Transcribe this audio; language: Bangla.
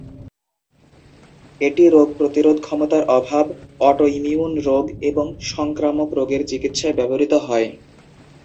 এটি রোগ প্রতিরোধ ক্ষমতার অভাব, অটোইমিউন রোগ এবং সংক্রামক রোগের চিকিৎসায় ব্যবহৃত হয়।